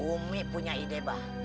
umi punya ide mbak